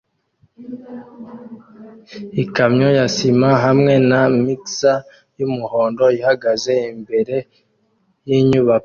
Ikamyo ya sima hamwe na mixer yumuhondo ihagaze imbere yinyubako